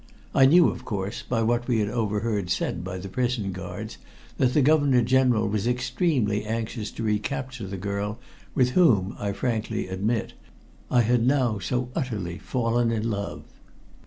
I knew, of course, by what we had overheard said by the prison guards, that the Governor General was extremely anxious to recapture the girl with whom, I frankly admit, I had now so utterly fallen in love.